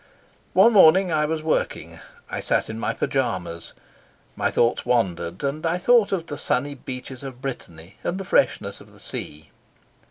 One morning I was working. I sat in my Pyjamas. My thoughts wandered, and I thought of the sunny beaches of Brittany and the freshness of the sea.